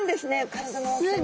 体の大きさに。